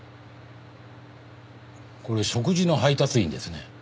これ食事の配達員ですね。